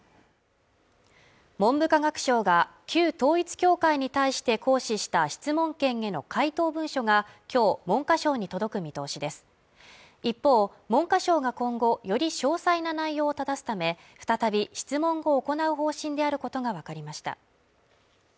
文部科学省が旧統一教会に対して行使した質問権への回答文書が今日文科省に届く見通しです一方文科省が今後より詳細な内容をただすため再び質問を行う方針であることが分かりました